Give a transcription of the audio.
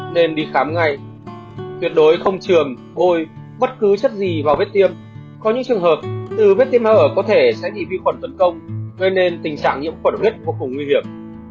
nên tình trạng nhiễm khuẩn huyết vô cùng nguy hiểm